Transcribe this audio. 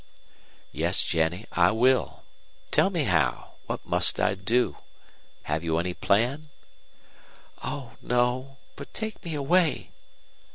"Yes, Jennie, I will. Tell me how. What must I do? Have you any plan?" "Oh no. But take me away."